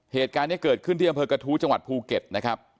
เหตุการณ์นี้เกิดขึ้นที่อำเภอกระทู้จังหวัดภูเก็ตนะครับ